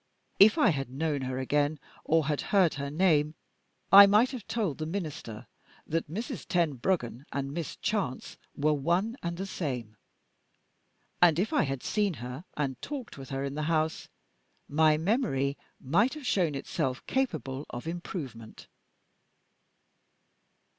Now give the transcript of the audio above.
If I had known her again, or had heard her name, I might have told the Minister that Mrs. Tenbruggen and Miss Chance were one and the same. And if I had seen her and talked with her in the house, my memory might have shown itself capable of improvement.